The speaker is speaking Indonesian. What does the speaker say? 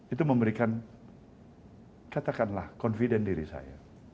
itu memberikan katakanlah confident diri saya